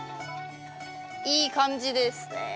いい感じですね。